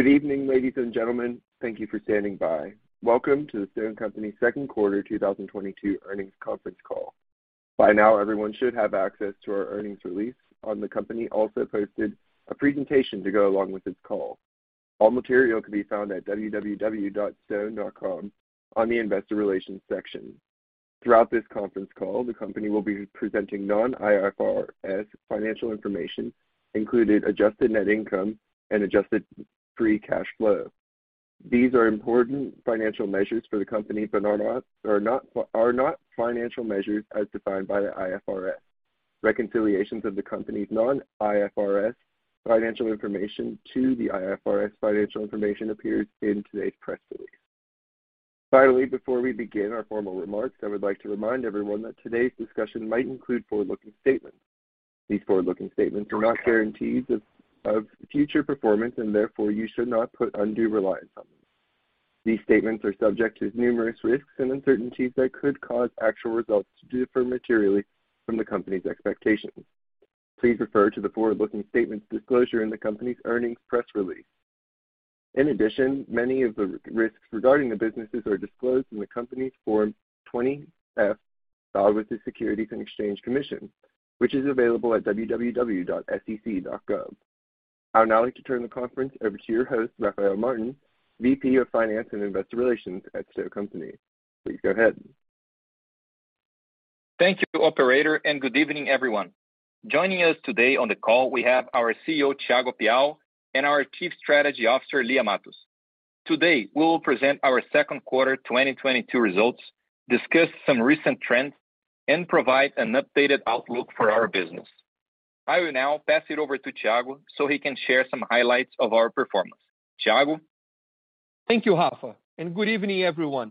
Good evening, ladies and gentlemen. Thank you for standing by. Welcome to StoneCo Ltd Second Quarter 2022 Earnings Conference Call. By now, everyone should have access to our earnings release. On the company's website, we also posted a presentation to go along with this call. All material can be found at www.stone.com on the Investor Relations section. Throughout this conference call, the company will be presenting non-IFRS financial information, including adjusted net income and adjusted free cash flow. These are important financial measures for the company but are not financial measures as defined by the IFRS. Reconciliations of the company's non-IFRS financial information to the IFRS financial information appears in today's press release. Finally, before we begin our formal remarks, I would like to remind everyone that today's discussion might include forward-looking statements. These forward-looking statements are not guarantees of future performance, and therefore, you should not put undue reliance on them. These statements are subject to numerous risks and uncertainties that could cause actual results to differ materially from the company's expectations. Please refer to the forward-looking statements disclosure in the company's earnings press release. In addition, many of the risks regarding the businesses are disclosed in the company's Form 20-F filed with the Securities and Exchange Commission, which is available at www.sec.gov. I would now like to turn the conference over to your host, Rafael Martins, VP of Finance and Investor Relations at StoneCo Ltd. Please go ahead. Thank you, operator, and good evening, everyone. Joining us today on the call, we have our CEO, Thiago Piau, and our Chief Strategy Officer, Lia Matos. Today, we will present our second quarter 2022 results, discuss some recent trends, and provide an updated outlook for our business. I will now pass it over to Thiago so he can share some highlights of our performance. Thiago. Thank you, Rafa, and good evening, everyone.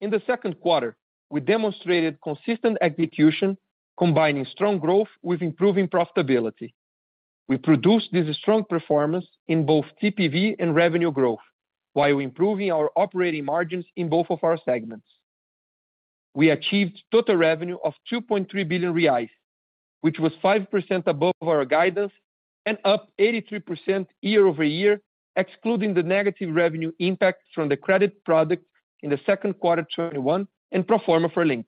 In the second quarter, we demonstrated consistent execution, combining strong growth with improving profitability. We produced this strong performance in both TPV and revenue growth while improving our operating margins in both of our segments. We achieved total revenue of 2.3 billion reais, which was 5% above our guidance and up 83% year-over-year, excluding the negative revenue impact from the credit product in the second quarter 2021 and pro forma for Linx.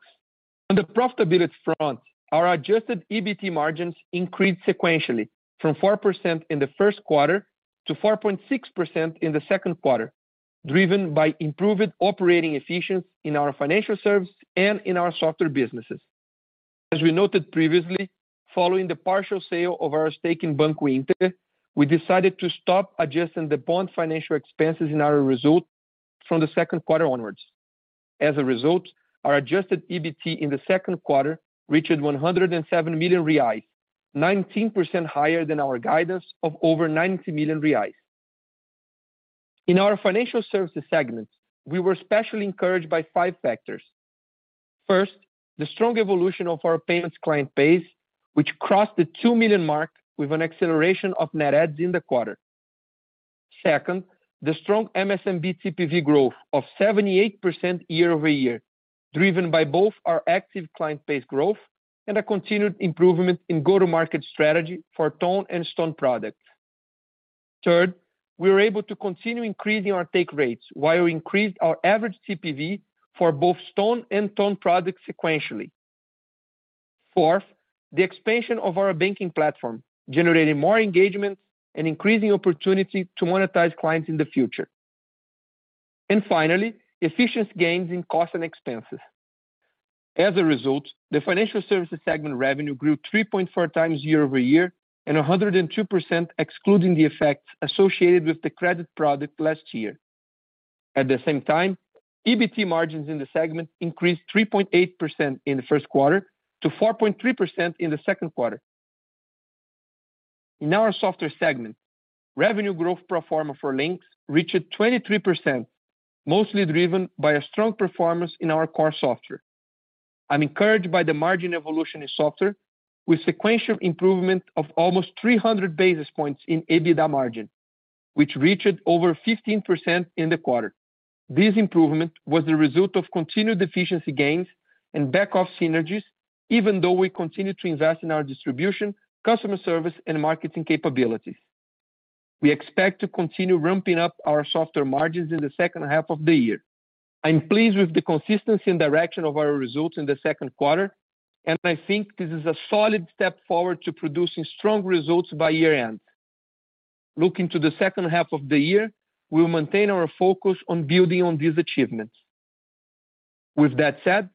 On the profitability front, our adjusted EBT margins increased sequentially from 4% in the first quarter to 4.6% in the second quarter, driven by improved operating efficiency in our financial service and in our software businesses. As we noted previously, following the partial sale of our stake in Banco Inter, we decided to stop adjusting the bond financial expenses in our results from the second quarter onwards. As a result, our adjusted EBT in the second quarter reached 107 million reais, 19% higher than our guidance of over 90 million reais. In our financial services segment, we were especially encouraged by five factors. First, the strong evolution of our payments client base, which crossed the 2 million mark with an acceleration of net adds in the quarter. Second, the strong MSMB TPV growth of 78% year-over-year, driven by both our active client base growth and a continued improvement in go-to-market strategy for Ton and Stone products. Third, we were able to continue increasing our take rates while we increased our average TPV for both Stone and Ton products sequentially. Fourth, the expansion of our banking platform, generating more engagement and increasing opportunity to monetize clients in the future. Finally, efficiency gains in cost and expenses. As a result, the financial services segment revenue grew 3.4x year-over-year and 102% excluding the effects associated with the credit product last year. At the same time, EBT margins in the segment increased 3.8% in the first quarter to 4.3% in the second quarter. In our software segment, revenue growth pro forma for Linx reached 23%, mostly driven by a strong performance in our core software. I'm encouraged by the margin evolution in software with sequential improvement of almost 300 basis points in EBITDA margin, which reached over 15% in the quarter. This improvement was the result of continued efficiency gains and back-office synergies, even though we continue to invest in our distribution, customer service, and marketing capabilities. We expect to continue ramping up our software margins in the second half of the year. I'm pleased with the consistency and direction of our results in the second quarter, and I think this is a solid step forward to producing strong results by year-end. Looking to the second half of the year, we'll maintain our focus on building on these achievements. With that said,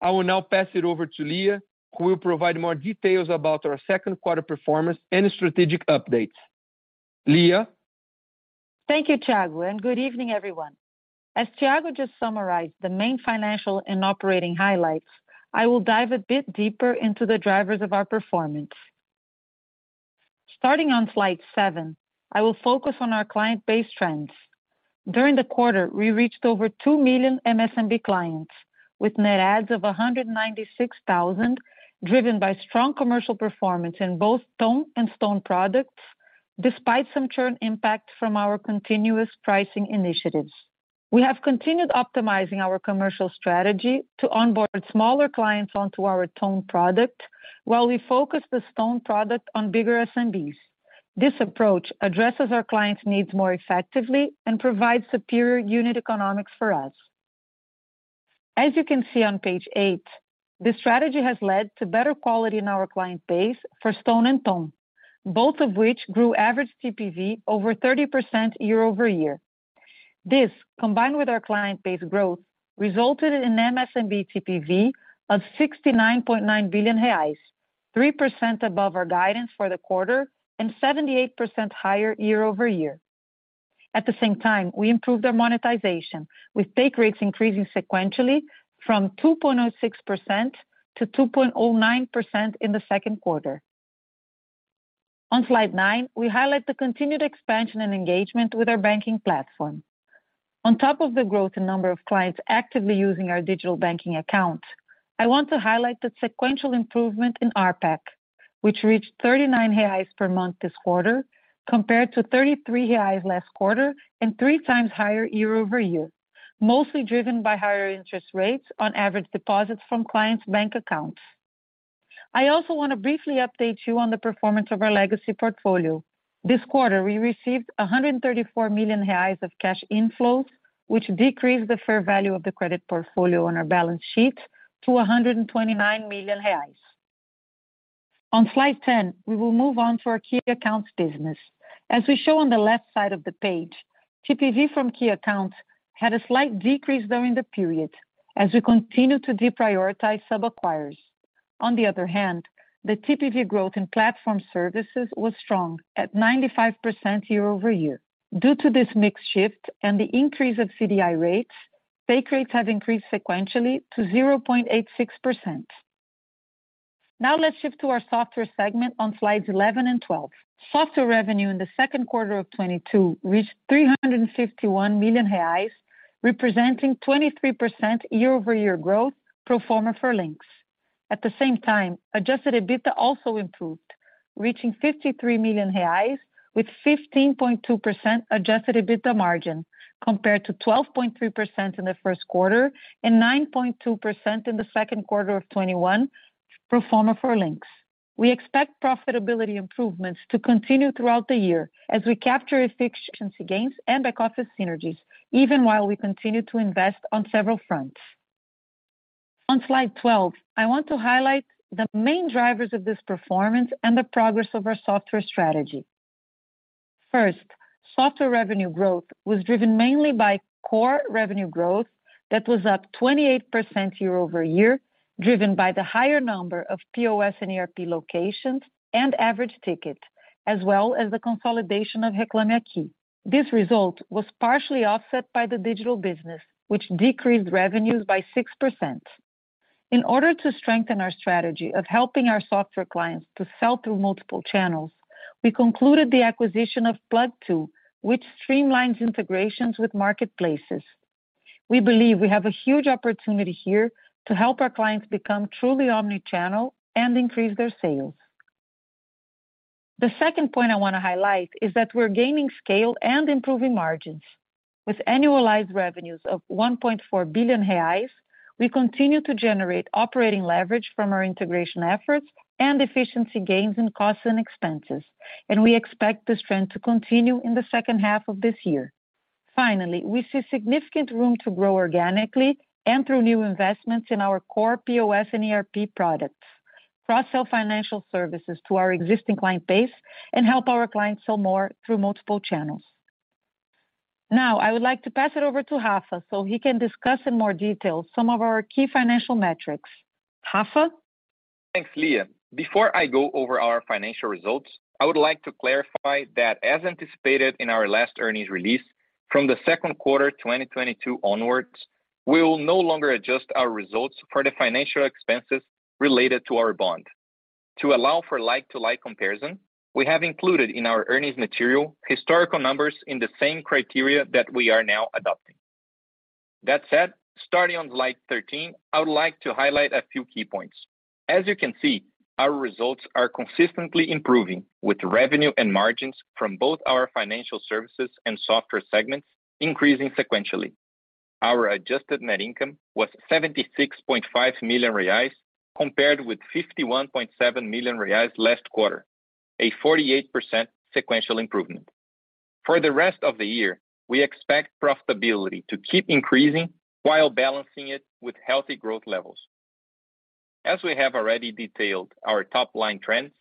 I will now pass it over to Lia, who will provide more details about our second quarter performance and strategic updates. Lia. Thank you, Thiago, and good evening, everyone. As Thiago just summarized the main financial and operating highlights, I will dive a bit deeper into the drivers of our performance. Starting on slide seven, I will focus on our client-based trends. During the quarter, we reached over 2 million MSMB clients with net adds of 196,000, driven by strong commercial performance in both Ton and Stone products despite some churn impact from our continuous pricing initiatives. We have continued optimizing our commercial strategy to onboard smaller clients onto our Ton product while we focus the Stone product on bigger SMBs. This approach addresses our clients' needs more effectively and provides superior unit economics for us. As you can see on page eight, the strategy has led to better quality in our client base for Stone and Ton, both of which grew average TPV over 30% year-over-year. This, combined with our client base growth, resulted in MSMB TPV of 69.9 billion reais, 3% above our guidance for the quarter and 78% higher year-over-year. At the same time, we improved our monetization with take rates increasing sequentially from 2.06% to 2.09% in the second quarter. On slide nine, we highlight the continued expansion and engagement with our banking platform. On top of the growth in number of clients actively using our digital banking account, I want to highlight the sequential improvement in RPAC, which reached 39 reais per month this quarter compared to 33 reais last quarter and 3x higher year-over-year, mostly driven by higher interest rates on average deposits from clients' bank accounts. I also wanna briefly update you on the performance of our legacy portfolio. This quarter we received 134 million reais of cash inflows, which decreased the fair value of the credit portfolio on our balance sheet to 129 million reais. On slide 10, we will move on to our key accounts business. As we show on the left side of the page, TPV from key accounts had a slight decrease during the period as we continue to deprioritize sub-acquirers. On the other hand, the TPV growth in platform services was strong at 95% year-over-year. Due to this mix shift and the increase of CDI rates, take rates have increased sequentially to 0.86%. Now let's shift to our software segment on slides 11 and 12. Software revenue in the second quarter of 2022 reached 351 million reais, representing 23% year-over-year growth pro forma for Linx. At the same time, adjusted EBITDA also improved, reaching 53 million reais with 15.2% adjusted EBITDA margin compared to 12.3% in the first quarter and 9.2% in the second quarter of 2021 pro forma for Linx. We expect profitability improvements to continue throughout the year as we capture efficiency gains and back office synergies, even while we continue to invest on several fronts. On slide 12, I want to highlight the main drivers of this performance and the progress of our software strategy. First, software revenue growth was driven mainly by core revenue growth that was up 28% year-over-year, driven by the higher number of POS and ERP locations and average ticket, as well as the consolidation of Reclame Aqui. This result was partially offset by the digital business, which decreased revenues by 6%. In order to strengthen our strategy of helping our software clients to sell through multiple channels, we concluded the acquisition of Plugg.To, which streamlines integrations with marketplaces. We believe we have a huge opportunity here to help our clients become truly omni-channel and increase their sales. The second point I wanna highlight is that we're gaining scale and improving margins. With annualized revenues of 1.4 billion reais, we continue to generate operating leverage from our integration efforts and efficiency gains in costs and expenses, and we expect this trend to continue in the second half of this year. Finally, we see significant room to grow organically and through new investments in our core POS and ERP products, cross-sell financial services to our existing client base, and help our clients sell more through multiple channels. Now I would like to pass it over to Rafa so he can discuss in more detail some of our key financial metrics. Rafa? Thanks, Lia. Before I go over our financial results, I would like to clarify that as anticipated in our last earnings release, from the second quarter 2022 onwards, we will no longer adjust our results for the financial expenses related to our bond. To allow for like-for-like comparison, we have included in our earnings material historical numbers in the same criteria that we are now adopting. That said, starting on slide 13, I would like to highlight a few key points. As you can see, our results are consistently improving with revenue and margins from both our financial services and software segments increasing sequentially. Our adjusted net income was 76.5 million reais compared with 51.7 million reais last quarter, a 48% sequential improvement. For the rest of the year, we expect profitability to keep increasing while balancing it with healthy growth levels. As we have already detailed our top line trends,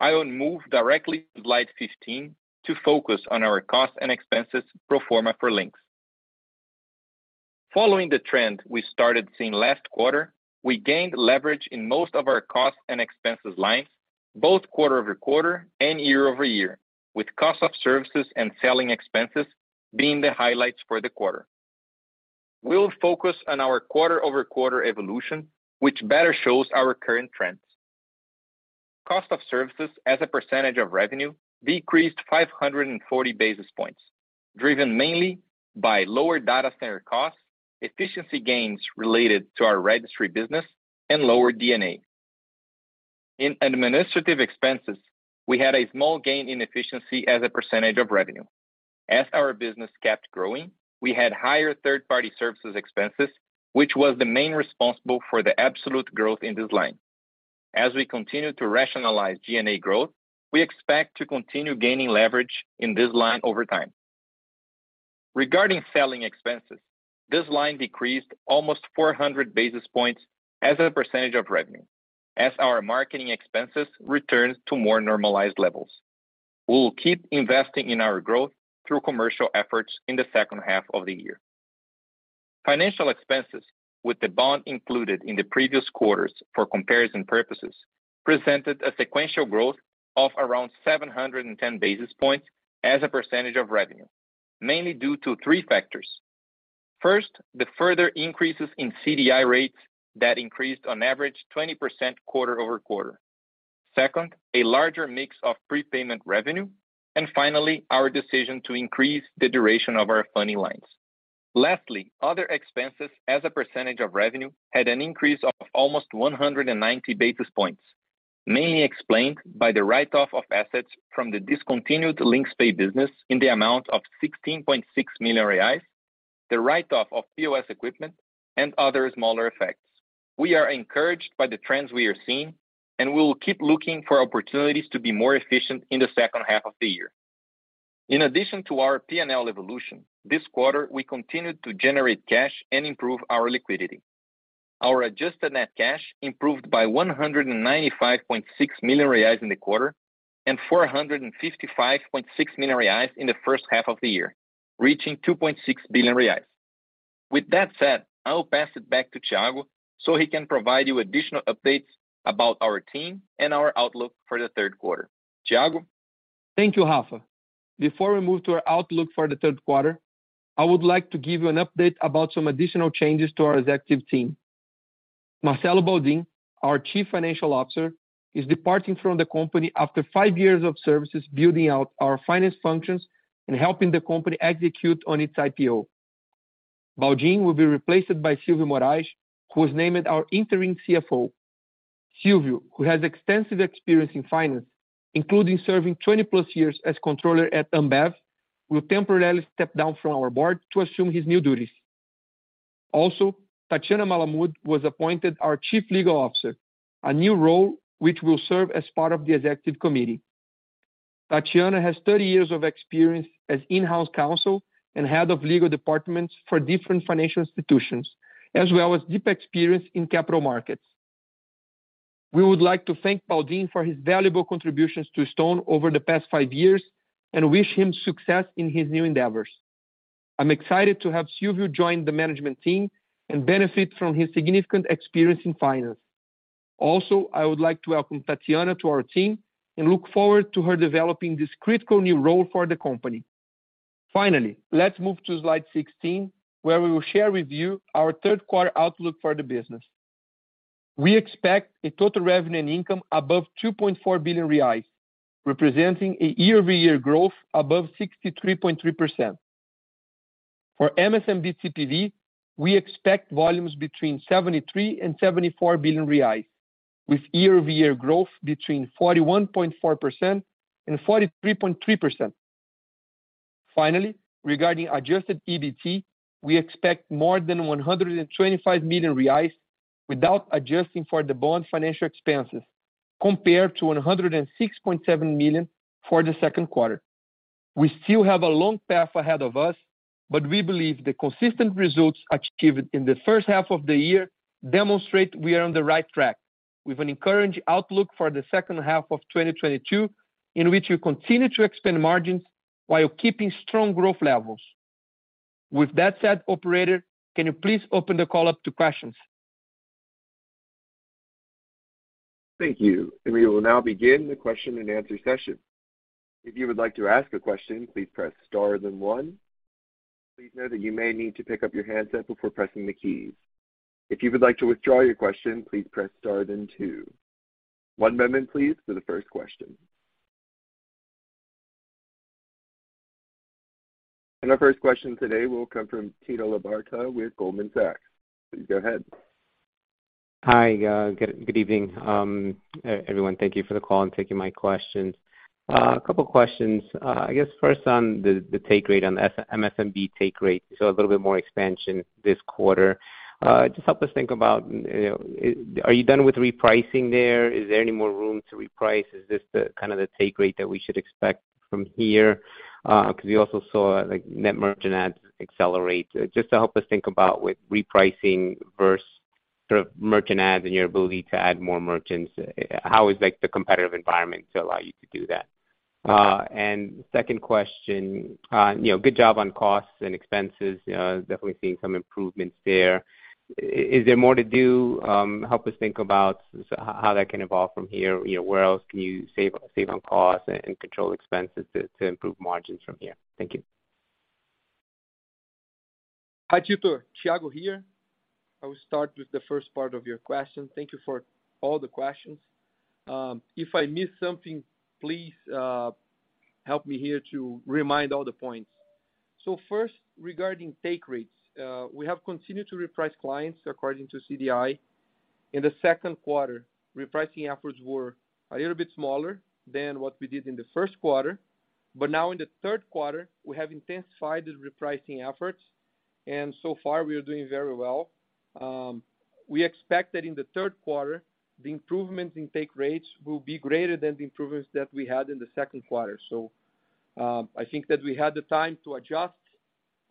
I will move directly to slide 15 to focus on our cost and expenses pro forma for Linx. Following the trend we started seeing last quarter, we gained leverage in most of our cost and expenses lines, both quarter-over-quarter and year-over-year, with cost of services and selling expenses being the highlights for the quarter. We'll focus on our quarter-over-quarter evolution, which better shows our current trends. Cost of services as a percentage of revenue decreased 540 basis points, driven mainly by lower data center costs, efficiency gains related to our registry business, and lower D&A in administrative expenses. We had a small gain in efficiency as a percentage of revenue. As our business kept growing, we had higher third-party services expenses, which was the main responsible for the absolute growth in this line. As we continue to rationalize D&A growth, we expect to continue gaining leverage in this line over time. Regarding selling expenses, this line decreased almost 400 basis points as a percentage of revenue as our marketing expenses returned to more normalized levels. We'll keep investing in our growth through commercial efforts in the second half of the year. Financial expenses with the bond included in the previous quarters for comparison purposes presented a sequential growth of around 710 basis points as a percentage of revenue, mainly due to three factors. First, the further increases in CDI rates that increased on average 20% quarter-over-quarter. Second, a larger mix of prepayment revenue. Finally, our decision to increase the duration of our funding lines. Lastly, other expenses as a percentage of revenue had an increase of almost 190 basis points, mainly explained by the write-off of assets from the discontinued Linx Pay business in the amount of 16.6 million reais, the write-off of POS equipment and other smaller effects. We are encouraged by the trends we are seeing, and we will keep looking for opportunities to be more efficient in the second half of the year. In addition to our P&L evolution, this quarter we continued to generate cash and improve our liquidity. Our adjusted net cash improved by 195.6 million reais in the quarter and 455.6 million reais in the first half of the year, reaching 2.6 billion reais. With that said, I will pass it back to Thiago so he can provide you additional updates about our team and our outlook for the third quarter. Thiago. Thank you, Rafa. Before we move to our outlook for the third quarter, I would like to give you an update about some additional changes to our executive team. Marcelo Baldin, our Chief Financial Officer, is departing from the company after five years of service building out our finance functions and helping the company execute on its IPO. Baldin will be replaced by Silvio Morais, who was named our interim CFO. Silvio, who has extensive experience in finance, including serving 20+ years as controller at Ambev, will temporarily step down from our board to assume his new duties. Also, Tatiana Malamud was appointed our Chief Legal Officer, a new role which will serve as part of the executive committee. Tatiana has 30 years of experience as in-house counsel and head of legal departments for different financial institutions, as well as deep experience in capital markets. We would like to thank Baldin for his valuable contributions to Stone over the past five years and wish him success in his new endeavors. I'm excited to have Silvio join the management team and benefit from his significant experience in finance. I would like to welcome Tatiana to our team and look forward to her developing this critical new role for the company. Let's move to slide 16, where we will share with you our third quarter outlook for the business. We expect a total revenue and income above 2.4 billion reais, representing a year-over-year growth above 63.3%. For MSMB TPV, we expect volumes between 73 billion and 74 billion reais, with year-over-year growth between 41.4% and 43.3%. Finally, regarding adjusted EBT, we expect more than 125 million reais without adjusting for the bond financial expenses, compared to 106.7 million for the second quarter. We still have a long path ahead of us, but we believe the consistent results achieved in the first half of the year demonstrate we are on the right track with an encouraging outlook for the second half of 2022, in which we continue to expand margins while keeping strong growth levels. With that said, operator, can you please open the call up to questions? Thank you. We will now begin the question-and-answer session. If you would like to ask a question, please press star then one. Please note that you may need to pick up your handset before pressing the keys. If you would like to withdraw your question, please press star then two. One moment please for the first question. Our first question today will come from Tito Labarta with Goldman Sachs. Please go ahead. Hi, good evening, everyone. Thank you for the call and taking my questions. A couple questions. I guess first on the take rate on SMB take rate. So a little bit more expansion this quarter. Just help us think about, you know, are you done with repricing there? Is there any more room to reprice? Is this the kind of take rate that we should expect from here? 'Cause we also saw like net merchant adds accelerate. Just to help us think about with repricing versus sort of merchant adds and your ability to add more merchants, how is like the competitive environment to allow you to do that? Second question, you know, good job on costs and expenses. You know, definitely seeing some improvements there. Is there more to do? Help us think about how that can evolve from here. You know, where else can you save on costs and control expenses to improve margins from here? Thank you. Hi, Tito. Thiago here. I will start with the first part of your question. Thank you for all the questions. If I miss something, please help me here to remind all the points. First, regarding take rates, we have continued to reprice clients according to CDI. In the second quarter, repricing efforts were a little bit smaller than what we did in the first quarter. Now in the third quarter, we have intensified the repricing efforts, and so far we are doing very well. We expect that in the third quarter, the improvements in take rates will be greater than the improvements that we had in the second quarter. I think that we had the time to adjust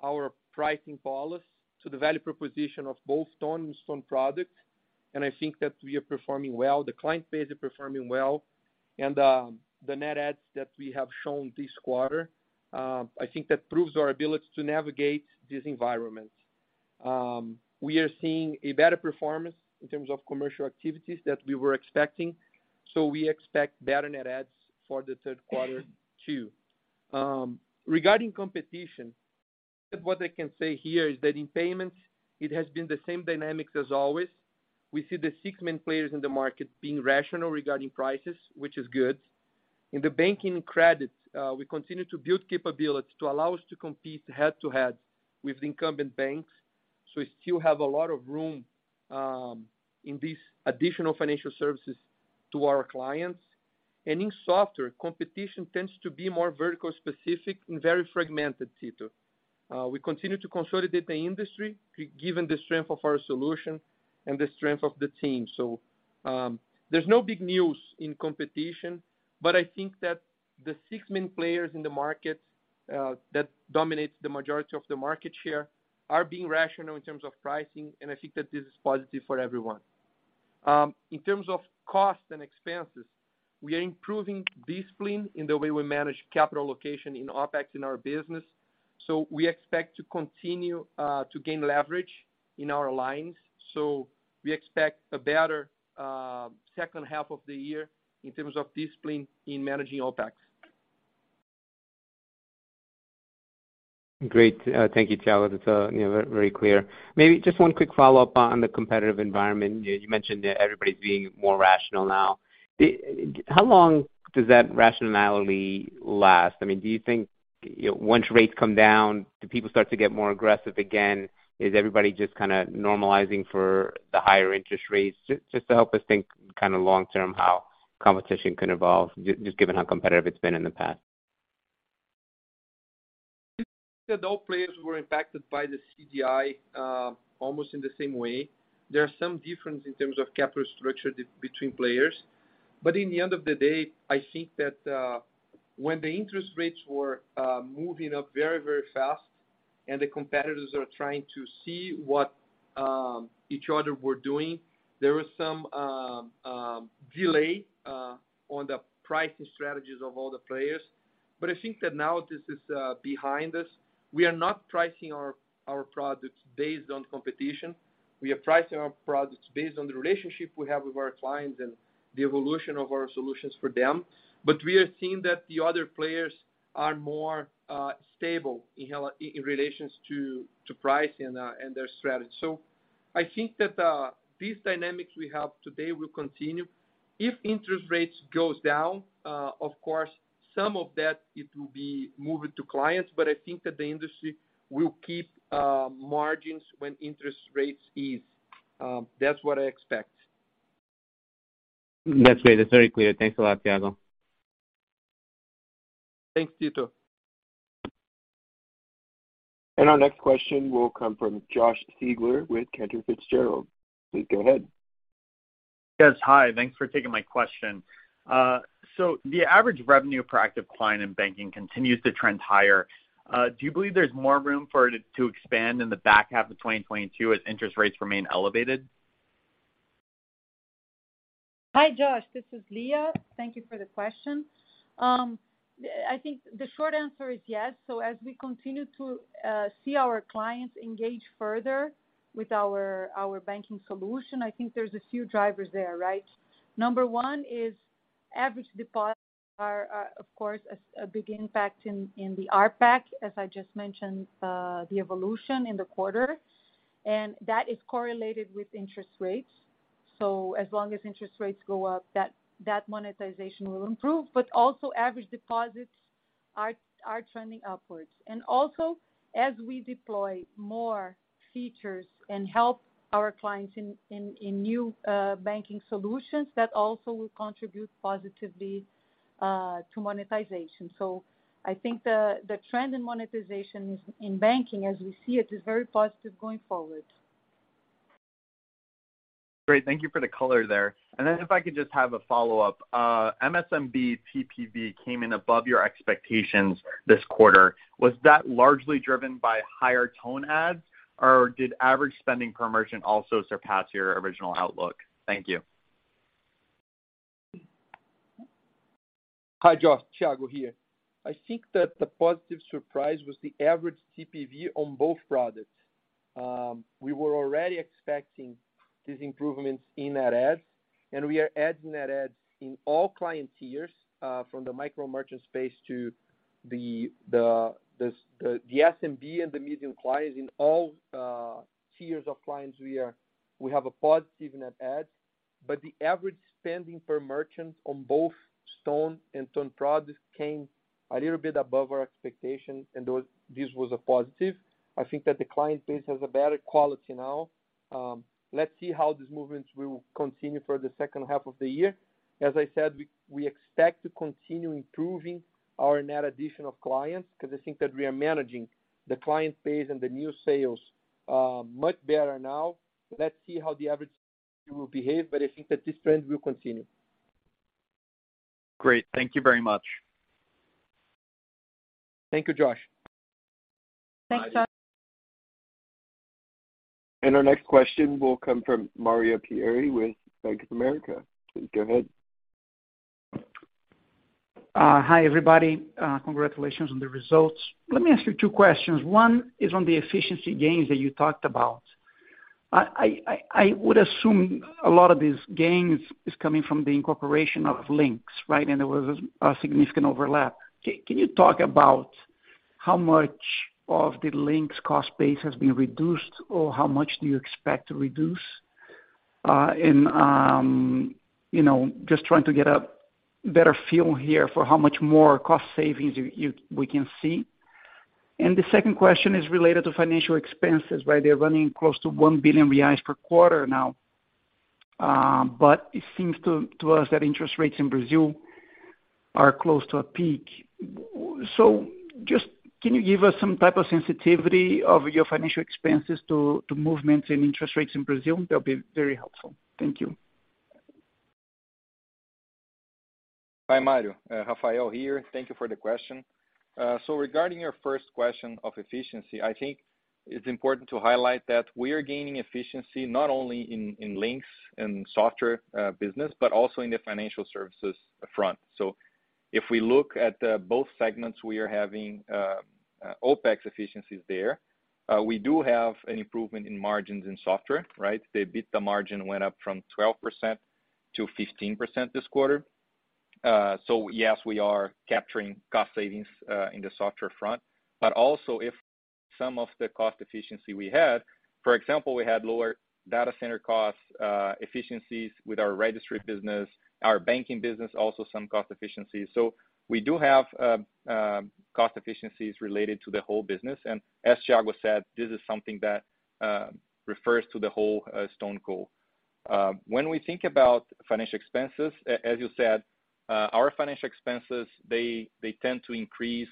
our pricing policy to the value proposition of both Ton and Stone product. I think that we are performing well. The client base is performing well. The net adds that we have shown this quarter, I think that proves our ability to navigate this environment. We are seeing a better performance in terms of commercial activities that we were expecting, so we expect better net adds for the third quarter too. Regarding competition, what I can say here is that in payments it has been the same dynamics as always. We see the six main players in the market being rational regarding prices, which is good. In the banking credits, we continue to build capability to allow us to compete head to head with incumbent banks. We still have a lot of room in these additional financial services to our clients. In software, competition tends to be more vertical specific and very fragmented, Tito. We continue to consolidate the industry given the strength of our solution and the strength of the team. There's no big news in competition, but I think that the six main players in the market that dominates the majority of the market share are being rational in terms of pricing, and I think that this is positive for everyone. In terms of costs and expenses, we are improving discipline in the way we manage capital allocation in OpEx in our business. We expect to continue to gain leverage in our lines. We expect a better second half of the year in terms of discipline in managing OpEx. Great. Thank you, Thiago. That's, you know, very clear. Maybe just one quick follow-up on the competitive environment. You mentioned that everybody's being more rational now. How long does that rationality last? I mean, do you think, you know, once rates come down, do people start to get more aggressive again? Is everybody just kinda normalizing for the higher interest rates? Just to help us think kinda long term how competition can evolve just given how competitive it's been in the past. The players were impacted by the CDI almost in the same way. There are some difference in terms of capital structure between players. In the end of the day, I think that when the interest rates were moving up very fast and the competitors are trying to see what each other were doing, there was some delay on the pricing strategies of all the players. I think that now this is behind us. We are not pricing our products based on competition. We are pricing our products based on the relationship we have with our clients and the evolution of our solutions for them. We are seeing that the other players are more stable in relation to pricing and their strategy. I think that these dynamics we have today will continue. If interest rates goes down, of course, some of that it will be moved to clients, but I think that the industry will keep margins when interest rates ease. That's what I expect. That's great. That's very clear. Thanks a lot, Thiago. Thanks, Tito. Our next question will come from Josh Siegler with Cantor Fitzgerald. Please go ahead. Yes. Hi. Thanks for taking my question. The average revenue per active client in banking continues to trend higher. Do you believe there's more room for it to expand in the back half of 2022 as interest rates remain elevated? Hi, Josh. This is Lia. Thank you for the question. I think the short answer is yes. As we continue to see our clients engage further with our banking solution, I think there's a few drivers there, right? Number one is average deposits are of course a big impact in the RPAC, as I just mentioned, the evolution in the quarter. That is correlated with interest rates. As long as interest rates go up, that monetization will improve, but also average deposits are trending upwards. Also, as we deploy more features and help our clients in new banking solutions, that also will contribute positively to monetization. I think the trend in monetization in banking, as we see it, is very positive going forward. Great. Thank you for the color there. If I could just have a follow-up. MSMB TPV came in above your expectations this quarter. Was that largely driven by higher Ton adds, or did average spending per merchant also surpass your original outlook? Thank you. Hi, Josh. Thiago here. I think that the positive surprise was the average TPV on both products. We were already expecting these improvements in net adds, and we are adding net adds in all client tiers, from the micro merchant space to the SMB and the medium clients. In all tiers of clients, we have a positive net adds. The average spending per merchant on both Stone and Ton products came a little bit above our expectation, this was a positive. I think that the client base has a better quality now. Let's see how these movements will continue for the second half of the year. As I said, we expect to continue improving our net addition of clients because I think that we are managing the client base and the new sales much better now. Let's see how the average will behave, but I think that this trend will continue. Great. Thank you very much. Thank you, Josh. Thanks, Josh. Our next question will come from Mario Pierry with Bank of America. Please go ahead. Hi, everybody. Congratulations on the results. Let me ask you two questions. One is on the efficiency gains that you talked about. I would assume a lot of these gains is coming from the incorporation of Linx, right? There was a significant overlap. Can you talk about how much of the Linx cost base has been reduced or how much do you expect to reduce? You know, just trying to get a better feel here for how much more cost savings we can see. The second question is related to financial expenses, right? They're running close to 1 billion reais per quarter now. It seems to us that interest rates in Brazil are close to a peak. Just can you give us some type of sensitivity of your financial expenses to movements in interest rates in Brazil? That'll be very helpful. Thank you. Hi, Mario. Rafael here. Thank you for the question. Regarding your first question of efficiency, I think it's important to highlight that we are gaining efficiency not only in Linx and software business, but also in the financial services front. If we look at both segments, we are having OpEx efficiencies there. We do have an improvement in margins in software, right? The EBITDA margin went up from 12% to 15% this quarter. Yes, we are capturing cost savings in the software front. Also, some of the cost efficiency we had, for example, we had lower data center costs, efficiencies with our registry business, our banking business, also some cost efficiencies. We do have cost efficiencies related to the whole business. As Thiago said, this is something that refers to the whole StoneCo. When we think about financial expenses, as you said, our financial expenses, they tend to increase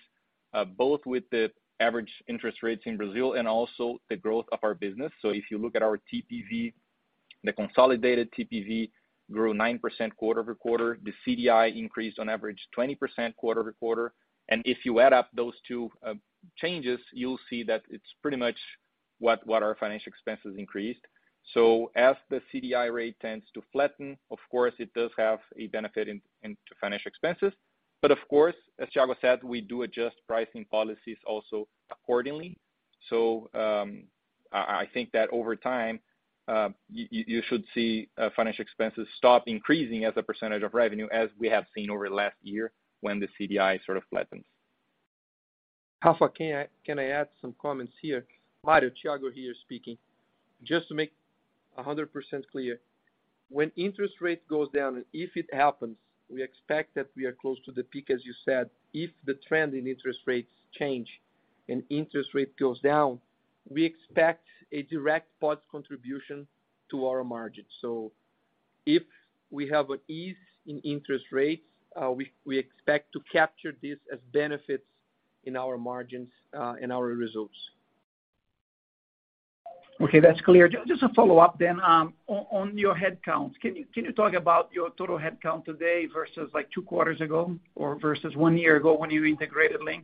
both with the average interest rates in Brazil and also the growth of our business. If you look at our TPV, the consolidated TPV grew 9% quarter-over-quarter. The CDI increased on average 20% quarter-over-quarter. If you add up those two changes, you'll see that it's pretty much what our financial expenses increased. As the CDI rate tends to flatten, of course it does have a benefit into financial expenses. But of course, as Thiago said, we do adjust pricing policies also accordingly. I think that over time you should see financial expenses stop increasing as a percentage of revenue as we have seen over the last year when the CDI sort of flattens. Rafa, can I add some comments here? Mario, Thiago here speaking. Just to make 100% clear, when interest rate goes down, if it happens, we expect that we are close to the peak, as you said. If the trend in interest rates change and interest rate goes down, we expect a direct positive contribution to our margins. If we have an ease in interest rates, we expect to capture this as benefits in our margins, in our results. Okay, that's clear. Just a follow-up. On your headcount, can you talk about your total headcount today versus like two quarters ago or versus one year ago when you integrated Linx?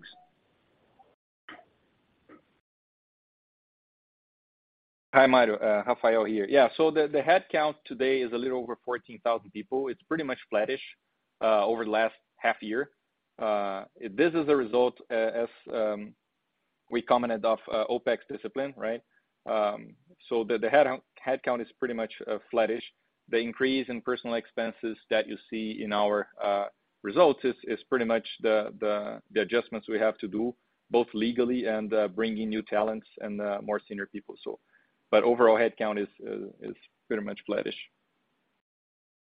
Hi, Mario, Rafael Martins here. Yeah. The headcount today is a little over 14,000 people. It's pretty much flattish over the last half year. This is a result, as we commented, of OpEx discipline, right? The headcount is pretty much flattish. The increase in personnel expenses that you see in our results is pretty much the adjustments we have to do, both legally and bringing new talents and more senior people. Overall headcount is pretty much flattish.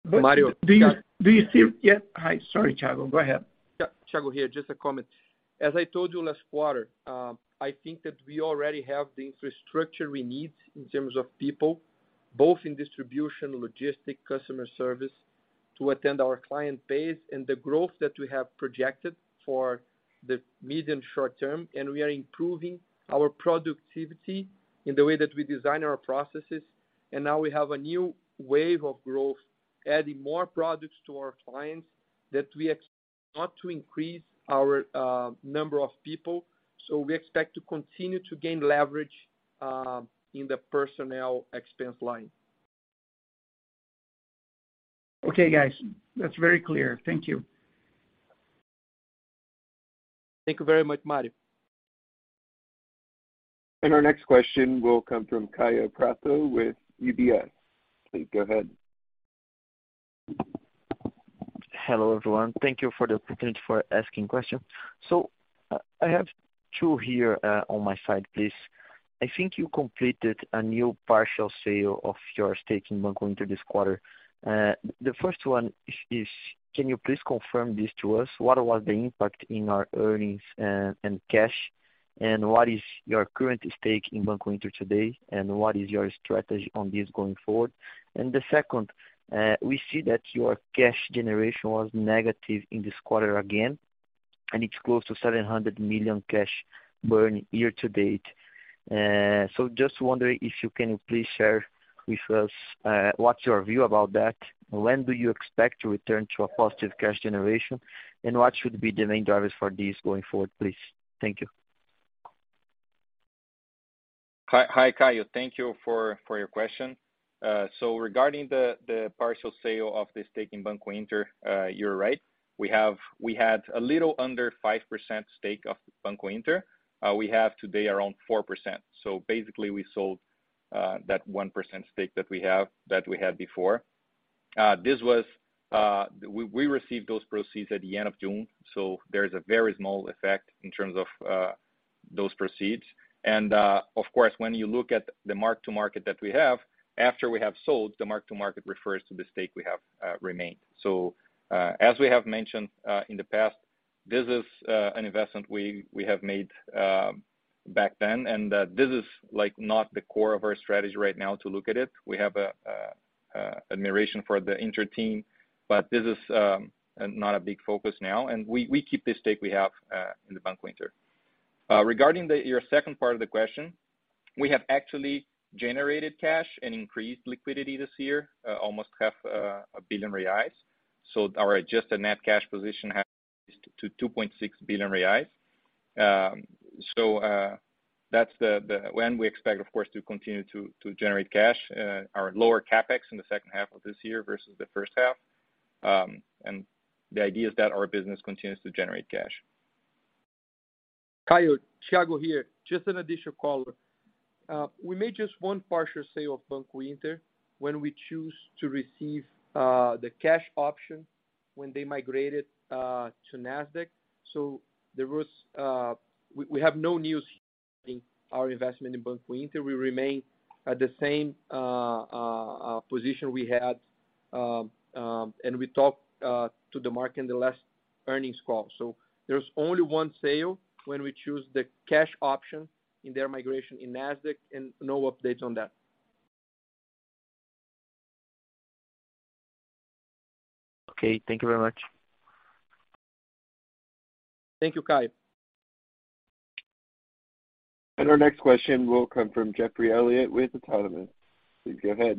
Mario- Do you see? Yeah. Hi. Sorry, Thiago. Go ahead. Yeah. Thiago here. Just a comment. As I told you last quarter, I think that we already have the infrastructure we need in terms of people, both in distribution, logistics, customer service, to attend our client base and the growth that we have projected for the medium short term. We are improving our productivity in the way that we design our processes. Now we have a new wave of growth, adding more products to our clients that we expect not to increase our number of people. We expect to continue to gain leverage in the personnel expense line. Okay, guys, that's very clear. Thank you. Thank you very much, Mario. Our next question will come from Caio Prato with UBS. Please go ahead. Hello everyone. Thank you for the opportunity for asking questions. I have two here on my side, please. I think you completed a new partial sale of your stake in Banco Inter this quarter. The first one is, can you please confirm this to us? What was the impact on our earnings and cash? And what is your current stake in Banco Inter today, and what is your strategy on this going forward? The second, we see that your cash generation was negative in this quarter again, and it's close to 700 million cash burn year to date. Just wondering if you can please share with us, what's your view about that? When do you expect to return to a positive cash generation, and what should be the main drivers for this going forward, please? Thank you. Hi, Caio. Thank you for your question. Regarding the partial sale of the stake in Banco Inter, you're right. We had a little under 5% stake of Banco Inter. We have today around 4%. Basically we sold that 1% stake that we had before. This was, we received those proceeds at the end of June, so there's a very small effect in terms of those proceeds. Of course, when you look at the mark to market that we have, after we have sold, the mark to market refers to the stake we have remaining. As we have mentioned in the past, this is an investment we have made back then. This is like not the core of our strategy right now to look at it. We have an admiration for the Inter team, but this is not a big focus now. We keep the stake we have in the Banco Inter. Regarding your second part of the question, we have actually generated cash and increased liquidity this year, almost half a billion BRL. Our adjusted net cash position is at 2.6 billion reais. We expect of course to continue to generate cash, our lower CapEx in the second half of this year versus the first half. The idea is that our business continues to generate cash. Caio, Thiago here. Just an additional color. We made just one partial sale of Banco Inter when we choose to receive the cash option when they migrated to Nasdaq. We have no news in our investment in Banco Inter. We remain at the same position we had, and we talked to the market in the last earnings call. There's only one sale when we choose the cash option in their migration in Nasdaq and no updates on that. Okay, thank you very much. Thank you, Caio. Our next question will come from Geoffrey Elliott with Autonomous. Please go ahead.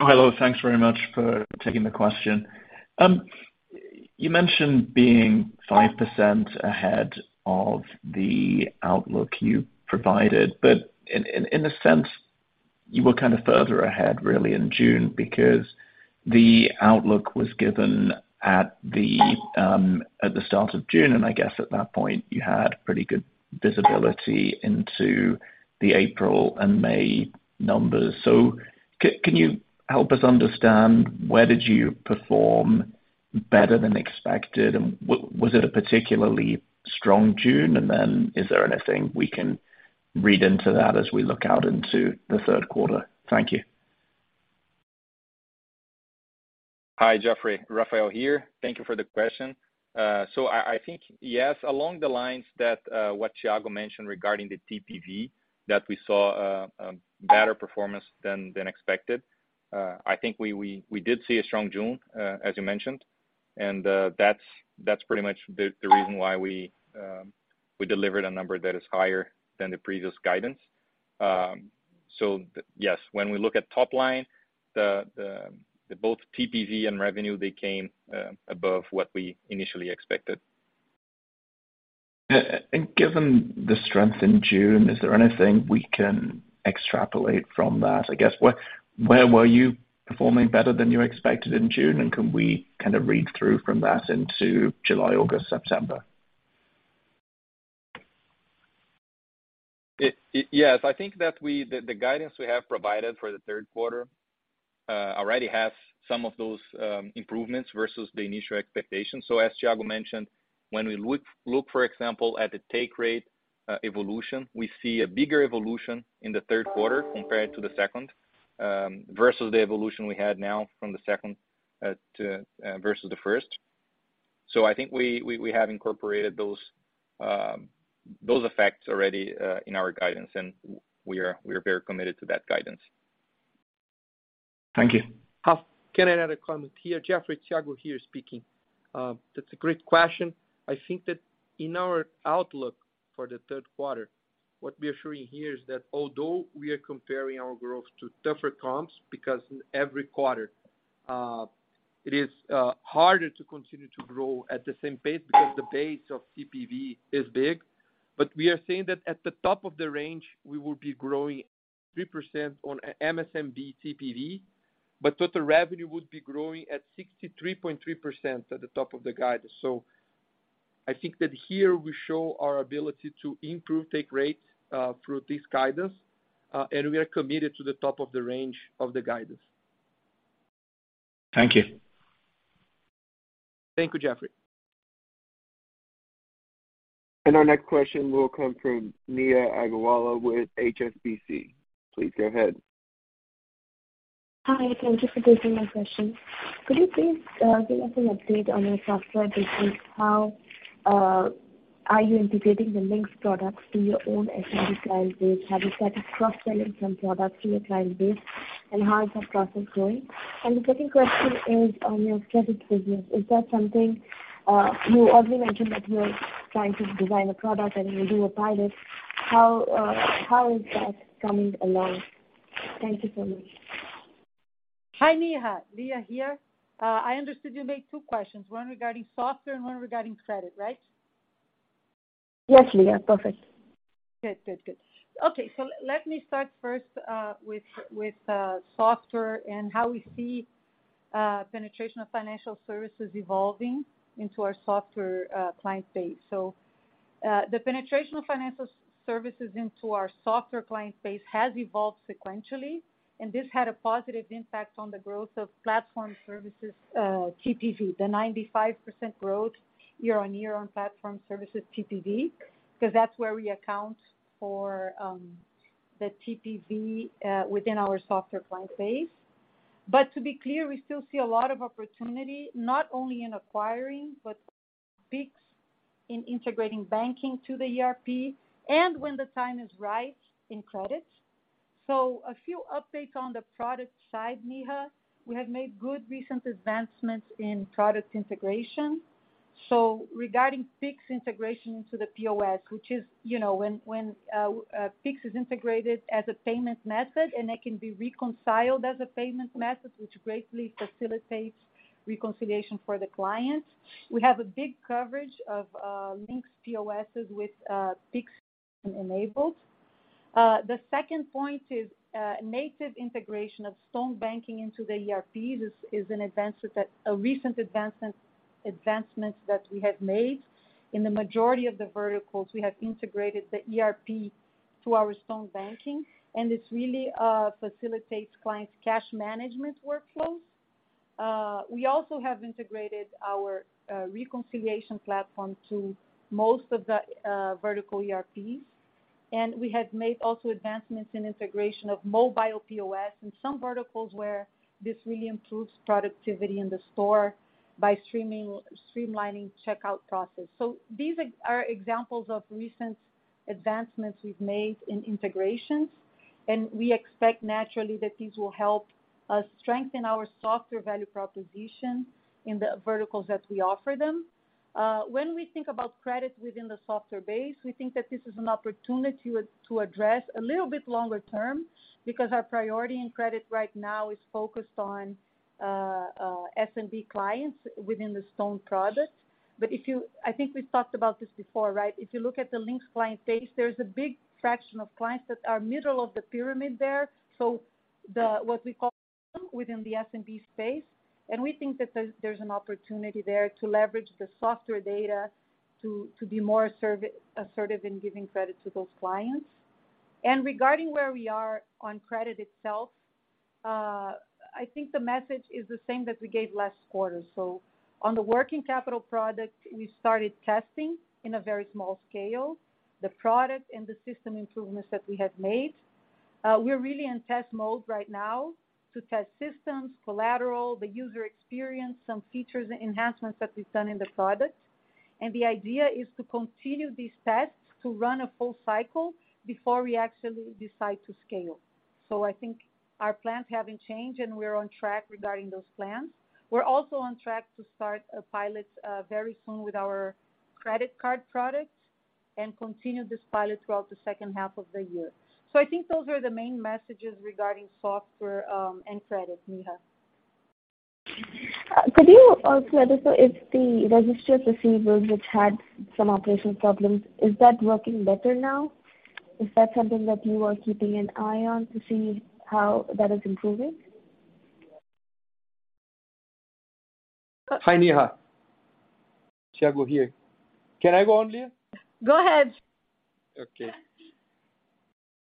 Hello, thanks very much for taking the question. You mentioned being 5% ahead of the outlook you provided, but in a sense, you were kind of further ahead really in June because the outlook was given at the start of June, and I guess at that point you had pretty good visibility into the April and May numbers. Can you help us understand where did you perform better than expected? And was it a particularly strong June? And then is there anything we can read into that as we look out into the third quarter? Thank you. Hi, Geoffrey. Rafael here. Thank you for the question. I think yes, along the lines that what Thiago mentioned regarding the TPV, that we saw a better performance than expected. I think we did see a strong June, as you mentioned. That's pretty much the reason why we delivered a number that is higher than the previous guidance. Yes, when we look at top line, both TPV and revenue, they came above what we initially expected. Given the strength in June, is there anything we can extrapolate from that? I guess, where were you performing better than you expected in June, and can we kind of read through from that into July, August, September? Yes. I think that the guidance we have provided for the third quarter already has some of those improvements versus the initial expectations. As Thiago mentioned, when we look for example at the take rate evolution, we see a bigger evolution in the third quarter compared to the second versus the evolution we had from the first to the second. I think we have incorporated those effects already in our guidance, and we are very committed to that guidance. Thank you. Can I add a comment here? Geoffrey, Thiago here speaking. That's a great question. I think that in our outlook for the third quarter, what we are showing here is that although we are comparing our growth to tougher comps, because in every quarter, it is harder to continue to grow at the same pace because the base of TPV is big. We are saying that at the top of the range, we will be growing 3% on MSMB TPV, but total revenue would be growing at 63.3% at the top of the guidance. So I think that here we show our ability to improve take rates through this guidance, and we are committed to the top of the range of the guidance. Thank you. Thank you, Geoffrey. Our next question will come from Neha Agarwala with HSBC. Please go ahead. Hi, thank you for taking my question. Could you please give us an update on your software business? How are you integrating the Linx products to your own SMB client base? Have you started cross-selling some products to your client base, and how is that process going? The second question is on your credit business. Is that something you already mentioned that you are trying to design a product and will do a pilot. How is that coming along? Thank you so much. Hi, Neha. Lia here. I understood you made two questions, one regarding software and one regarding credit, right? Yes, Lia. Perfect. Good. Okay. Let me start first with software and how we see penetration of financial services evolving into our software client base. The penetration of financial services into our software client base has evolved sequentially, and this had a positive impact on the growth of platform services TPV, the 95% growth year-on-year on platform services TPV, 'cause that's where we account for the TPV within our software client base. To be clear, we still see a lot of opportunity not only in acquiring but Pix in integrating banking to the ERP, and when the time is right, in credit. A few updates on the product side, Neha. We have made good recent advancements in product integration. Regarding Pix integration into the POS, which is, you know, when Pix is integrated as a payment method, and it can be reconciled as a payment method, which greatly facilitates reconciliation for the client. We have a big coverage of Linx POSs with Pix enabled. The second point is native integration of Stone banking into the ERP is a recent advancement that we have made. In the majority of the verticals, we have integrated the ERP to our Stone banking, and this really facilitates clients' cash management workflows. We also have integrated our reconciliation platform to most of the vertical ERPs. We have made also advancements in integration of mobile POS in some verticals where this really improves productivity in the store by streamlining checkout process. These are examples of recent advancements we've made in integrations, and we expect naturally that these will help us strengthen our software value proposition in the verticals that we offer them. When we think about credit within the software base, we think that this is an opportunity to address a little bit longer term because our priority in credit right now is focused on SMB clients within the Stone product. If you... I think we've talked about this before, right? If you look at the Linx client base, there's a big fraction of clients that are middle of the pyramid there, so what we call within the SMB space. We think that there's an opportunity there to leverage the software data to be more assertive in giving credit to those clients. Regarding where we are on credit itself, I think the message is the same that we gave last quarter. On the working capital product, we started testing in a very small scale, the product and the system improvements that we have made. We're really in test mode right now to test systems, collateral, the user experience, some features enhancements that we've done in the product. The idea is to continue these tests to run a full cycle before we actually decide to scale. I think our plans haven't changed, and we're on track regarding those plans. We're also on track to start a pilot very soon with our credit card product and continue this pilot throughout the second half of the year. I think those are the main messages regarding software and credit, Neha. Could you also add if the registry of receivables which had some operational problems, is that working better now? Is that something that you are keeping an eye on to see how that is improving? Hi, Neha. Thiago here. Can I go on, Lia? Go ahead. Okay.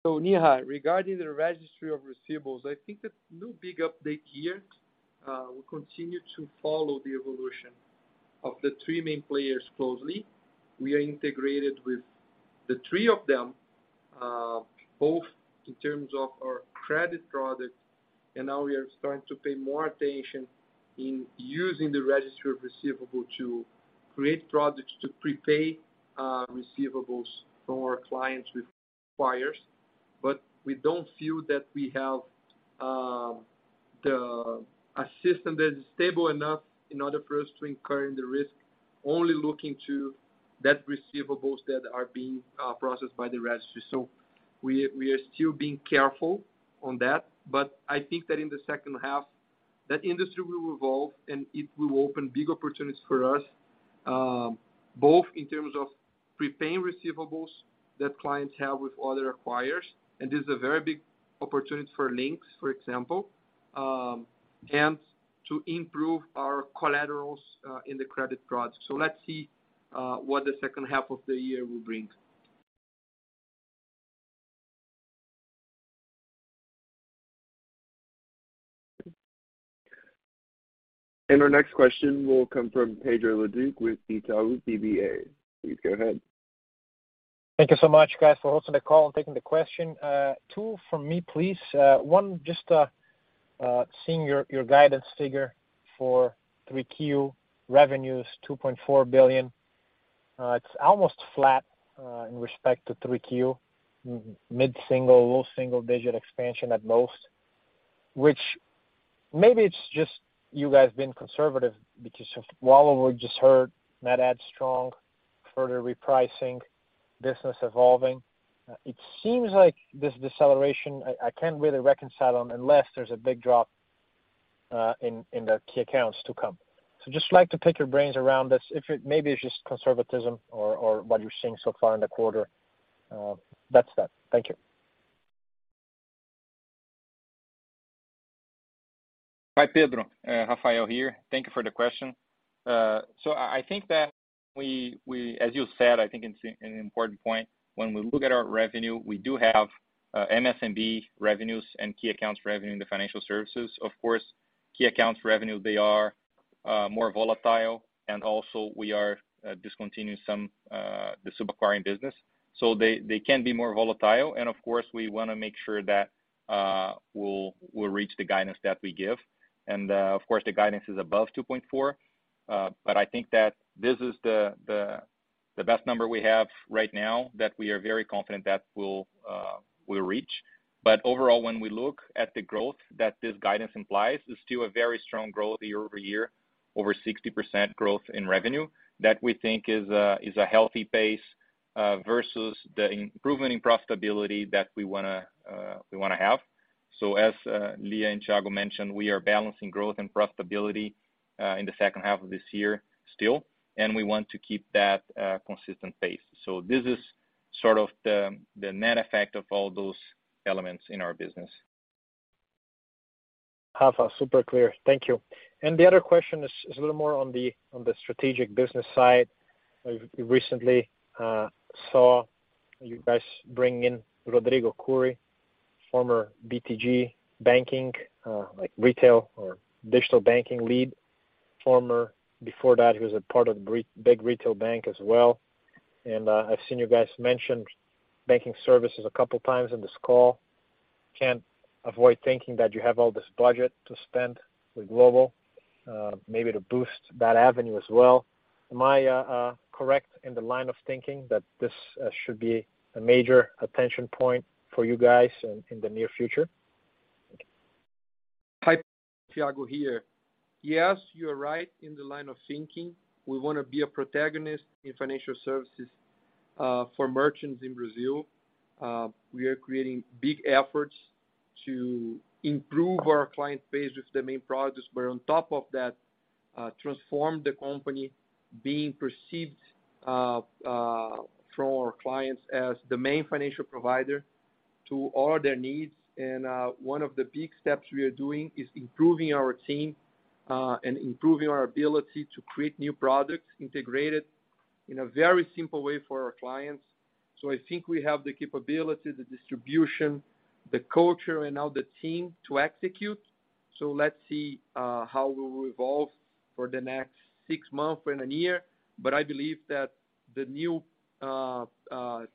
Neha, regarding the registry of receivables, I think that no big update here. We continue to follow the evolution of the three main players closely. We are integrated with the three of them, both in terms of our credit product, and now we are starting to pay more attention in using the registry of receivable to create products to prepay, receivables from our clients with acquirers. But we don't feel that we have a system that is stable enough in order for us to incur the risk only looking to that receivables that are being processed by the registry. We are still being careful on that. I think that in the second half, that industry will evolve, and it will open big opportunities for us, both in terms of prepaying receivables that clients have with other acquirers, and this is a very big opportunity for Linx, for example, and to improve our collaterals, in the credit products. Let's see, what the second half of the year will bring. Our next question will come from Pedro Leduc with Itaú BBA. Please go ahead. Thank you so much, guys, for hosting the call and taking the question. Two from me, please. One, just seeing your guidance figure for 3Q revenues, 2.4 billion. It's almost flat in respect to 3Q mid-single, low single digit expansion at most, which maybe it's just you guys being conservative because of what we just heard, net adds strong, further repricing, business evolving. It seems like this deceleration, I can't really reconcile on unless there's a big drop in the key accounts to come. Just like to pick your brains around this maybe it's just conservatism or what you're seeing so far in the quarter. That's that. Thank you. Hi, Pedro. Rafael here. Thank you for the question. I think that as you said, I think it's an important point. When we look at our revenue, we do have MSMB revenues and key accounts revenue in the financial services. Of course, key accounts revenues, they are more volatile. Also, we are discontinuing some the sub-acquiring business. They can be more volatile. Of course, we wanna make sure that we'll reach the guidance that we give. Of course, the guidance is above 2.4. But I think that this is the best number we have right now that we are very confident that we'll reach. Overall, when we look at the growth that this guidance implies, it's still a very strong growth year-over-year, over 60% growth in revenue that we think is a healthy pace versus the improvement in profitability that we wanna have. As Lia and Thiago mentioned, we are balancing growth and profitability in the second half of this year still, and we want to keep that consistent pace. This is sort of the net effect of all those elements in our business. Rafa, super clear. Thank you. The other question is a little more on the strategic business side. We recently saw you guys bring in Rodrigo Cury, former BTG Pactual banking, like retail or digital banking lead. Before that, he was a part of the Banco Inter retail bank as well. I've seen you guys mention banking services a couple times in this call. Can't avoid thinking that you have all this budget to spend with Globo, maybe to boost that avenue as well. Am I correct in the line of thinking that this should be a major attention point for you guys in the near future? Hi, Pedro. Thiago here. Yes, you are right in the line of thinking. We wanna be a protagonist in financial services for merchants in Brazil. We are creating big efforts to improve our client base with the main products. On top of that, transform the company being perceived from our clients as the main financial provider to all their needs. One of the big steps we are doing is improving our team and improving our ability to create new products integrated in a very simple way for our clients. I think we have the capability, the distribution, the culture, and now the team to execute. Let's see how we will evolve for the next six months and a year. I believe that the new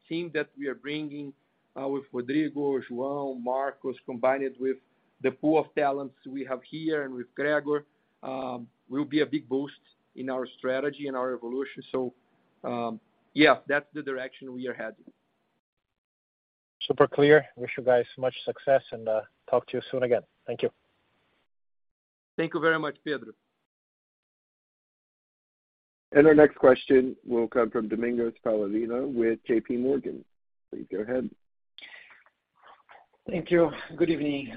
team that we are bringing with Rodrigo as well, Marcos, combined with the pool of talents we have here and with Gregor, will be a big boost in our strategy and our evolution. Yeah, that's the direction we are heading. Super clear. Wish you guys much success and, talk to you soon again. Thank you. Thank you very much, Pedro. Our next question will come from Domingos Falavina with JPMorgan. Please go ahead. Thank you. Good evening,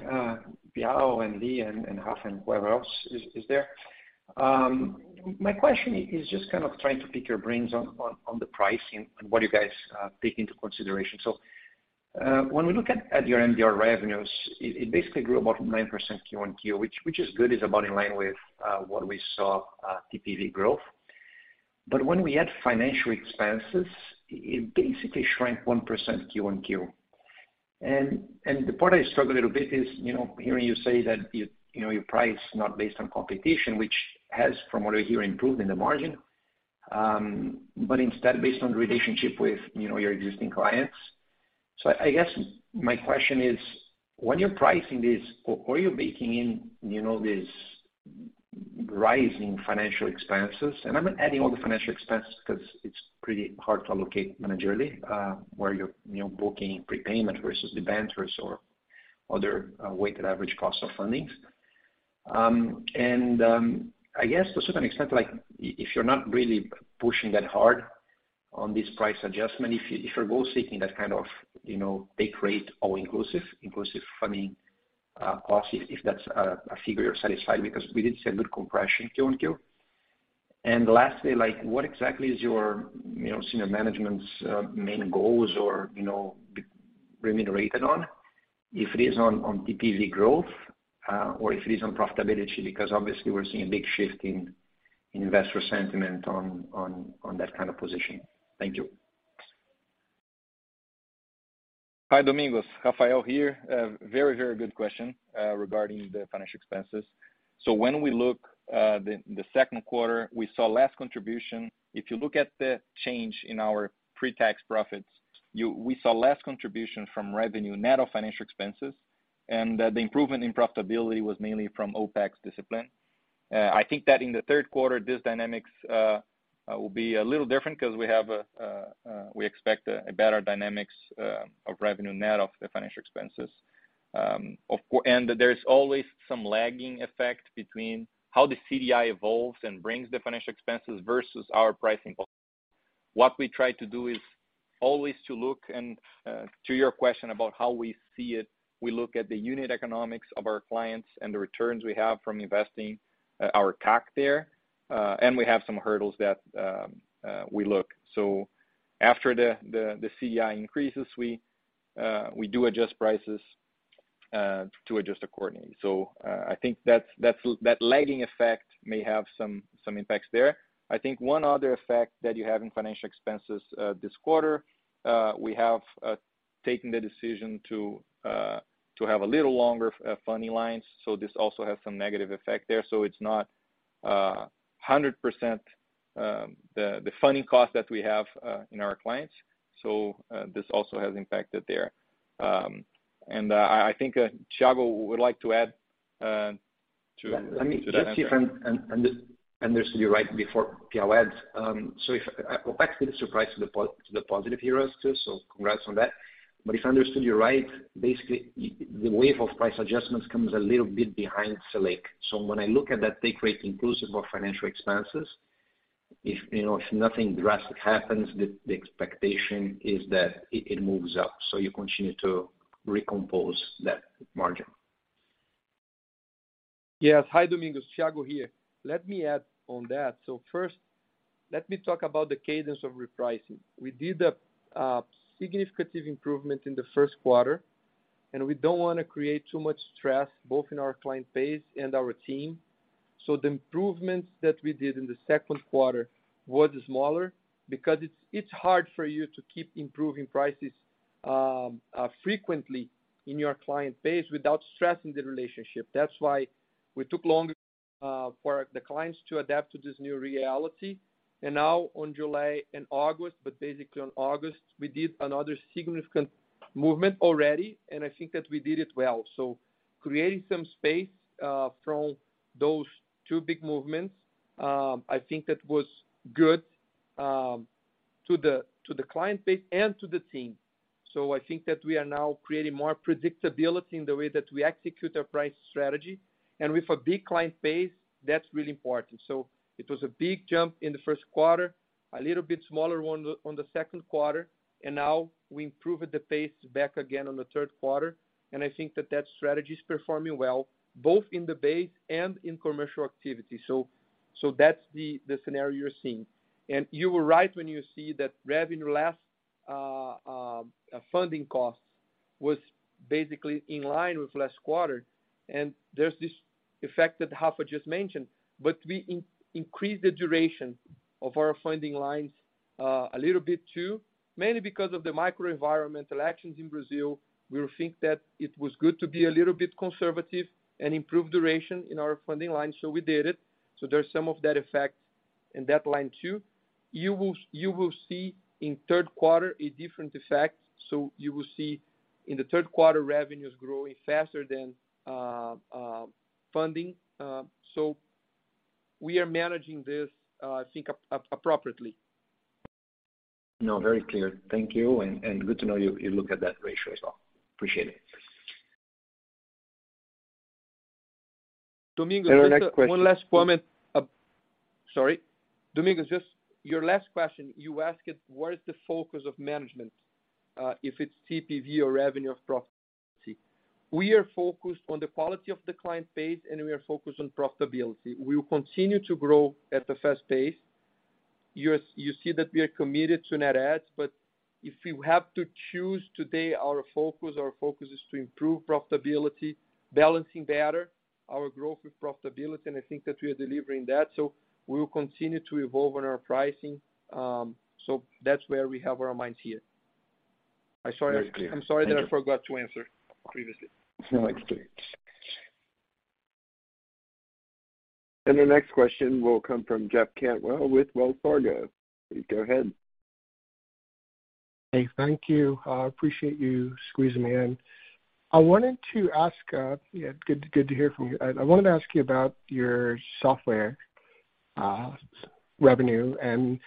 Thiago and Lia and Rafael and whoever else is there. My question is just kind of trying to pick your brains on the pricing and what you guys take into consideration. When we look at your MDR revenues, it basically grew about 9% Q-on-Q, which is good. It's about in line with what we saw, TPV growth. When we add financial expenses, it basically shrank 1% Q-on-Q. The part I struggle a little bit is, you know, hearing you say that you know, your price is not based on competition, which has from what I hear improved in the margin, but instead based on the relationship with, you know, your existing clients. I guess my question is, when you're pricing this, are you baking in, you know, these rising financial expenses? I'm not adding all the financial expenses because it's pretty hard to allocate managerially, where you're, you know, booking prepayment versus debentures or other, weighted average cost of funding. I guess to a certain extent, like if you're not really pushing that hard on this price adjustment, if you're both seeking that kind of, you know, base rate or inclusive funding, cost, if that's a figure you're satisfied with because we did see a good compression Q-on-Q. Lastly, like what exactly is your, you know, senior management's main goals or, you know, remunerated on? If it is on TPV growth, or if it is on profitability, because obviously we're seeing a big shift in investor sentiment on that kind of position. Thank you. Hi, Domingos. Rafael here. Very, very good question regarding the financial expenses. When we look at the second quarter, we saw less contribution. If you look at the change in our pre-tax profits, we saw less contribution from revenue, net of financial expenses, and the improvement in profitability was mainly from OpEx discipline. I think that in the third quarter, these dynamics will be a little different 'cause we expect a better dynamics of revenue net of the financial expenses. There's always some lagging effect between how the CDI evolves and brings the financial expenses versus our pricing policy. What we try to do is always to look, and to your question about how we see it, we look at the unit economics of our clients and the returns we have from investing our CAC there. We have some hurdles that we look. After the CDI increases, we do adjust prices to adjust accordingly. I think that's that lagging effect may have some impacts there. I think one other effect that you have in financial expenses this quarter, we have taken the decision to have a little longer funding lines, so this also has some negative effect there. It's not 100% the funding cost that we have in our clients. This also has impacted there. I think Thiago would like to add to that answer. Let me just if I understood you right before Piau adds. If OpEx did surprise to the positive here too, congrats on that. If I understood you right, basically the wave of price adjustments comes a little bit behind schedule. When I look at that take rate inclusive of financial expenses, you know, if nothing drastic happens, the expectation is that it moves up, so you continue to recompose that margin. Yes. Hi, Domingos. Thiago here. Let me add on that. First, let me talk about the cadence of repricing. We did a significant improvement in the first quarter, and we don't wanna create too much stress both in our client base and our team. The improvements that we did in the second quarter was smaller because it's hard for you to keep improving prices frequently in your client base without stressing the relationship. That's why we took longer for the clients to adapt to this new reality. Now on July and August, but basically on August, we did another significant movement already, and I think that we did it well. Creating some space from those two big movements, I think that was good to the client base and to the team. I think that we are now creating more predictability in the way that we execute our price strategy. With a big client base, that's really important. It was a big jump in the first quarter, a little bit smaller one on the second quarter, and now we improved the pace back again on the third quarter. I think that strategy is performing well, both in the base and in commercial activity. That's the scenario you're seeing. You were right when you see that revenue less funding costs was basically in line with last quarter. There's this effect that Rafa just mentioned. We increase the duration of our funding lines, a little bit too, mainly because of the macroeconomic actions in Brazil. We think that it was good to be a little bit conservative and improve duration in our funding lines. We did it. There's some of that effect in that line too. You will see in third quarter a different effect. You will see in the third quarter revenues growing faster than funding. We are managing this, I think appropriately. No, very clear. Thank you. Good to know you look at that ratio as well. Appreciate it. Domingos- Our next question. One last comment. Sorry. Domingos, just your last question, you asked what is the focus of management, if it's TPV or revenue or profitability. We are focused on the quality of the client base, and we are focused on profitability. We will continue to grow at a fast pace. You see that we are committed to net adds, but if you have to choose today our focus, our focus is to improve profitability, balancing better our growth with profitability, and I think that we are delivering that. We will continue to evolve on our pricing. That's where we have our minds here. Very clear. Thank you. I'm sorry that I forgot to answer previously. No, it's clear. Our next question will come from Jeff Cantwell with Wells Fargo. Go ahead. Hey, thank you. Appreciate you squeezing me in. I wanted to ask good to hear from you. I wanted to ask you about your software revenue and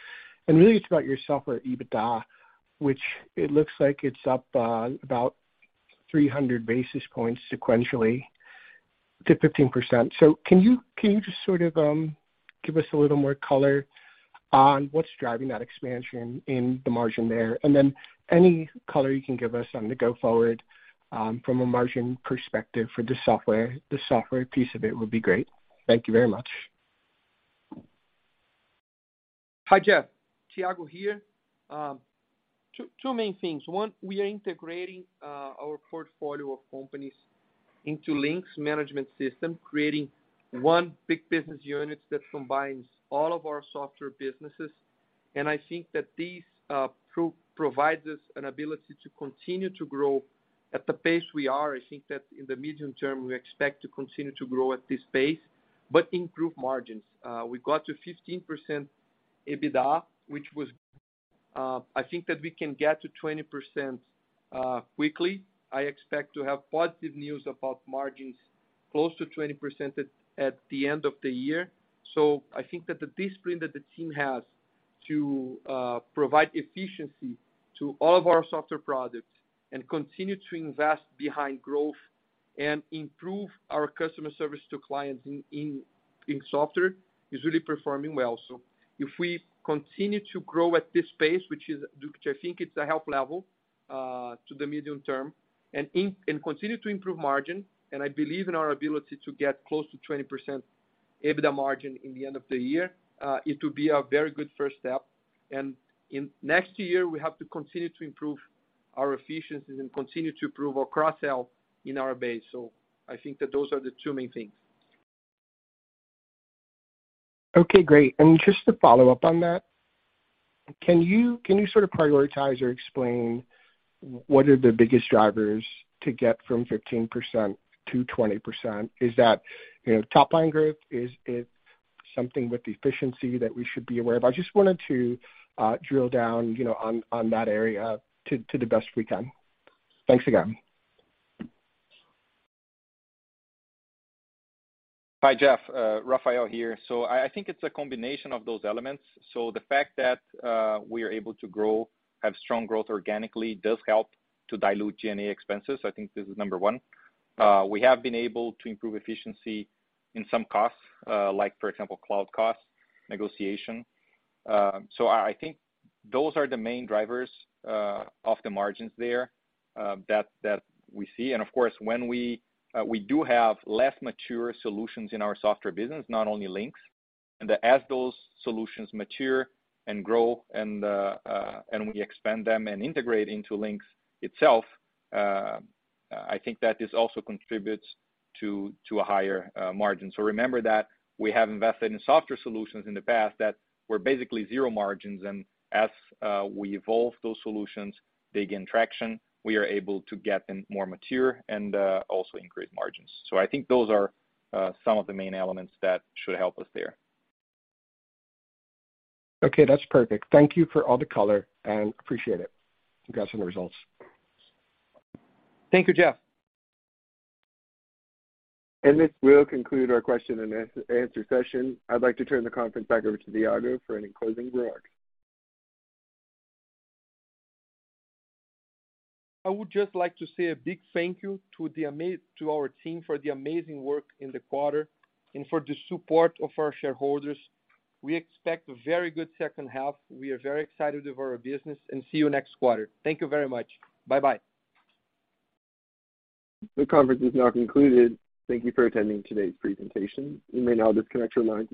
really it's about your software EBITDA, which it looks like it's up about 300 basis points sequentially to 15%. Can you just sort of give us a little more color on what's driving that expansion in the margin there, and then any color you can give us on the go forward from a margin perspective for the software piece of it would be great. Thank you very much. Hi, Jeff. Thiago here. Two main things. One, we are integrating our portfolio of companies into Linx management system, creating one big business unit that combines all of our software businesses. I think that these provides us an ability to continue to grow at the pace we are. I think that in the medium term, we expect to continue to grow at this pace, but improve margins. We got to 15% EBITDA, which was. I think that we can get to 20%, quickly. I expect to have positive news about margins close to 20% at the end of the year. I think that the discipline that the team has to provide efficiency to all of our software products and continue to invest behind growth and improve our customer service to clients in software is really performing well. If we continue to grow at this pace, which I think it's a healthy level to the medium term, and continue to improve margin, and I believe in our ability to get close to 20% EBITDA margin in the end of the year, it will be a very good first step. In next year, we have to continue to improve our efficiencies and continue to improve our cross-sell in our base. I think that those are the two main things. Okay, great. Just to follow up on that, can you sort of prioritize or explain what are the biggest drivers to get from 15% to 20%? Is that, you know, top line growth? Is it something with efficiency that we should be aware of? I just wanted to drill down, you know, on that area to the best we can. Thanks again. Hi, Jeff, Rafael here. I think it's a combination of those elements. The fact that we are able to grow, have strong growth organically does help to dilute G&A expenses. I think this is number one. We have been able to improve efficiency in some costs, like for example, cloud costs, negotiation. I think those are the main drivers of the margins there that we see. Of course, when we do have less mature solutions in our software business, not only Linx. As those solutions mature and grow and we expand them and integrate into Linx itself, I think that this also contributes to a higher margin. Remember that we have invested in software solutions in the past that were basically zero margins. As we evolve those solutions, they gain traction, we are able to get them more mature and also increase margins. I think those are some of the main elements that should help us there. Okay, that's perfect. Thank you for all the color, and appreciate it. Congrats on the results. Thank you, Jeff. This will conclude our question-and-answer session. I'd like to turn the conference back over to Thiago for any closing remarks. I would just like to say a big thank you to our team for the amazing work in the quarter and for the support of our shareholders. We expect a very good second half. We are very excited of our business, and see you next quarter. Thank you very much. Bye-bye. The conference is now concluded. Thank you for attending today's presentation. You may now disconnect your lines.